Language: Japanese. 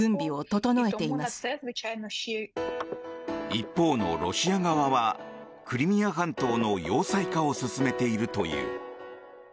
一方のロシア側はクリミア半島の要塞化を進めているという。